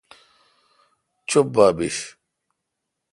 چپ با بیش۔